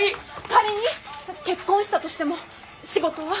仮に結婚したとしても仕事は。